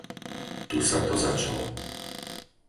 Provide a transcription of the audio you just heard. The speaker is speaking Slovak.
Tu sa to začalo.